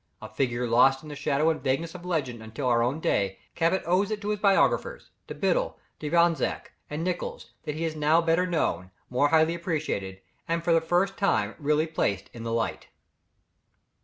A figure lost in the shadow and vagueness of legends until our own day, Cabot owes it to his biographers, to Biddle, D'Avezac, and Nicholls, that he is now better known, more highly appreciated, and for the first time really placed in the light.